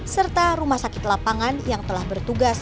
serta rumah sakit lapangan yang telah bertugas